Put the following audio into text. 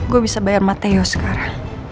gua bisa bayar matteo sekarang